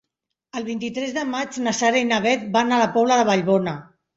El vint-i-tres de maig na Sara i na Bet van a la Pobla de Vallbona.